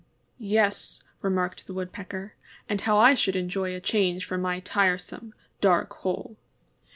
^^Yes," remarked the Woodpecker, ^^and how I should enjoy a change from my tire some, dark hole."